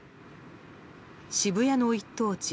渋谷の一等地